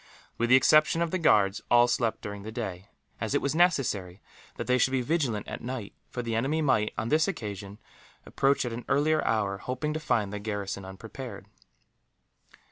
With the exception of the guards, all slept during the day; as it was necessary that they should be vigilant at night, for the enemy might, on this occasion, approach at an earlier hour, hoping to find the garrison unprepared.